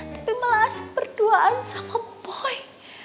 tapi malah asik berduaan sama boy